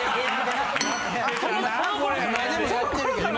今でもやってるけどな。